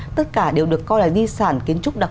tất cả đều được coi là di sản kiến trúc đặc trưng